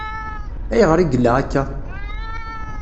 Ayɣer i yella akka?